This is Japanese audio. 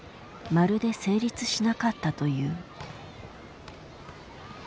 まるで成立しなかったという。